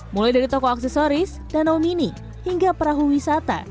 mulai dari toko aksesoris dan omini hingga perahu wisata